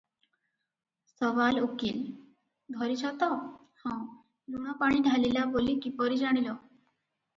ସୱାଲ ଓକୀଲ - ଧରିଛ ତ, ହଁ - ଲୁଣପାଣି ଢାଳିଲା ବୋଲି କିପରି ଜାଣିଲ?